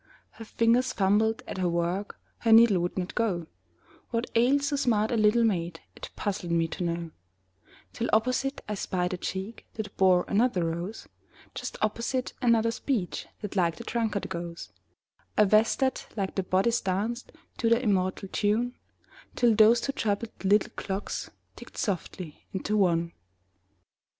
Her fingers fumbled at her work, Her needle would not go; What ailed so smart a little maid It puzzled me to know, Till opposite I spied a cheek That bore another rose; Just opposite, another speech That like the drunkard goes; A vest that, like the bodice, danced To the immortal tune, Till those two troubled little clocks Ticked softly into one.